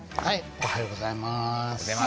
おはようございます。